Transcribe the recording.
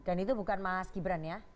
dan itu bukan mas gibran ya